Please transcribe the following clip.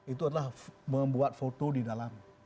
itu adalah membuat foto di dalam